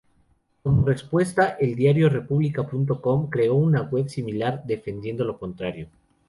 Como respuesta, el diario Republica.com creó una web similar defendiendo lo contrario.